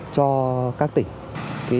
cho các tỉnh